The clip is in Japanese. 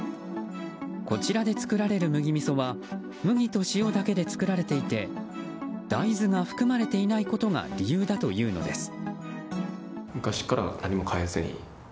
こちらで作られる麦みそは麦と塩だけで作られていて大豆が含まれていないことが理由だというのです。